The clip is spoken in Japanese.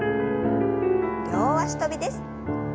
両脚跳びです。